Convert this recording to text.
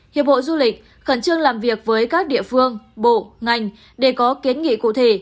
hiệp hội du lịch khẩn trương làm việc với các địa phương bộ ngành để có kiến nghị cụ thể